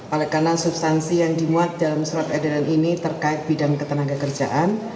oleh karena substansi yang dimuat dalam surat edaran ini terkait bidang ketenaga kerjaan